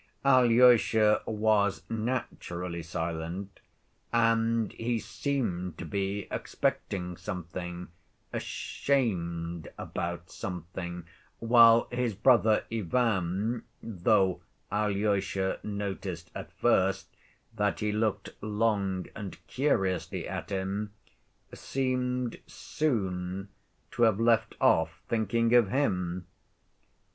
Alyosha was naturally silent, and he seemed to be expecting something, ashamed about something, while his brother Ivan, though Alyosha noticed at first that he looked long and curiously at him, seemed soon to have left off thinking of him.